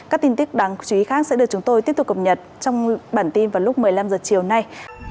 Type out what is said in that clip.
các tin tức đáng chú ý khác sẽ được chúng tôi tiếp tục cập nhật trong bản tin vào lúc một mươi năm h chiều nay